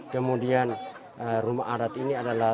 kemudian rumah adat ini adalah